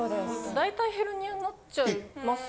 大体ヘルニアになっちゃいます。